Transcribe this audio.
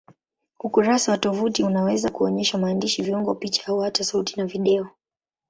Ukurasa wa tovuti unaweza kuonyesha maandishi, viungo, picha au hata sauti na video.